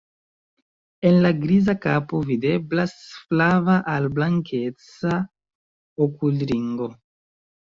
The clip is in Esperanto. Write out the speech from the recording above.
En la griza kapo videblas flava al blankeca okulringo.